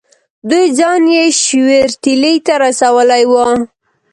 دوی ځان یې شیورتیلي ته رسولی وو.